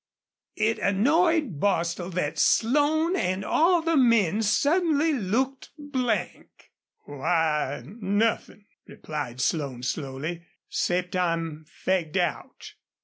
It annoyed Bostil that Slone and all the men suddenly looked blank. "Why, nothin'," replied Slone, slowly, "'cept I'm fagged out."